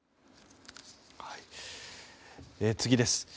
次です。